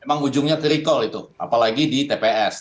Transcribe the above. memang ujungnya ke recall itu apalagi di tps